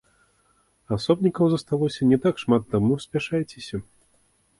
Асобнікаў засталося не так шмат, таму спяшайцеся!